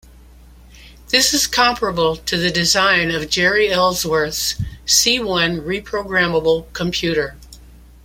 This is comparable to the design of Jeri Ellsworth's C-One reprogrammable computer.